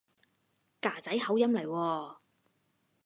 㗎仔口音嚟喎